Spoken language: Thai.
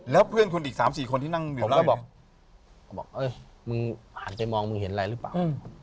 แล้วเพื่อนคุณอีก๓๔คนที่นั่งอยู่ผมก็บอกเออมึงหันไปมองมึงเห็นอะไรหรือเปล่า